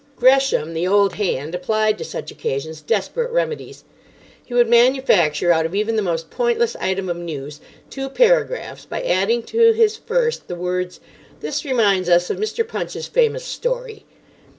Gresham, the old hand, applied to such occasions desperate remedies. He would manufacture out of even the most pointless item of news two paragraphs by adding to his first the words, "This reminds us of Mr. Punch's famous story."